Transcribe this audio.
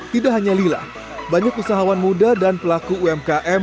tidak hanya lila banyak usahawan muda dan pelaku umkm